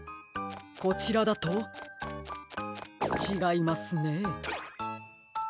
こちらだとちがいますね。